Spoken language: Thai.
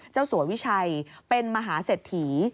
เจ้าสววิชัยเป็นมหาเสร็จถี